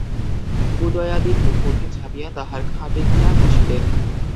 উদয়াদিত্য পুঁথি ঝাঁপিয়া তাঁহার খাটে গিয়া বসিলেন।